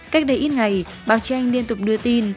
cách đây ít ngày bà trang liên tục đưa tin